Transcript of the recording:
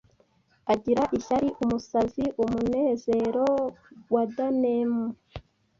agirira ishyari umusazi umunezero wa Danemen